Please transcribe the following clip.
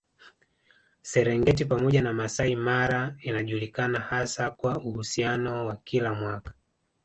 Serengeti pamoja na Masai Mara inajulikana hasa kwa uhamisho wa kila mwaka